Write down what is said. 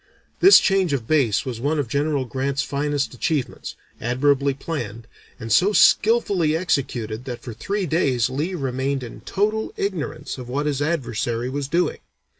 This change of base was one of General Grant's finest achievements, admirably planned, and so skilfully executed that for three days Lee remained in total ignorance of what his adversary was doing.